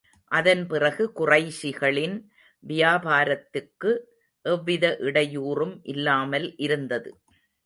அதன் பிறகு, குறைஷிகளின் வியாபாரத்துக்கு எவ்வித இடையூறும் இல்லாமல் இருந்தது.